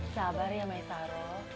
sabar ya maesaro